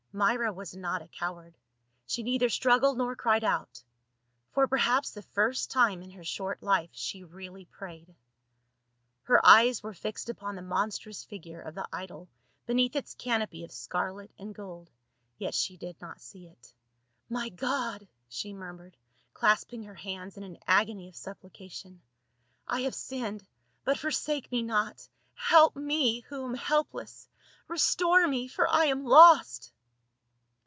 Myra was not a coward ; she neither struggled nor cried out. For perhaps the first time in her short life she really prayed. Her eyes were fixed upon the monstrous figure of the idol beneath its canopy of scarlet and gold, yet she did not see it. " My God !" she murmured, clasping her hands in an agony of supplication, " I have sinned, but forsake me not; help me, who am helpless ! Restore me for I am lost."